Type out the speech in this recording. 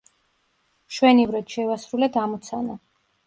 მშვენივრად შევასრულეთ ამოცანა.